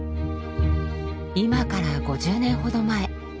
今から５０年ほど前。